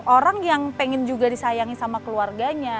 orang yang pengen juga disayangi sama keluarganya